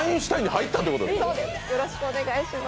よろしくお願いします。